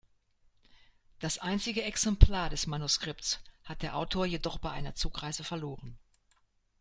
Das einzige Exemplar des Manuskripts hat der Autor jedoch bei einer Zugreise verloren.